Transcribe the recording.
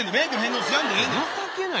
情けない。